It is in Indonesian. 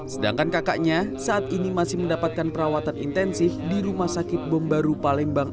sedangkan kakaknya saat ini masih mendapatkan perawatan intensif di rumah sakit bombaru palembang